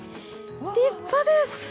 立派です。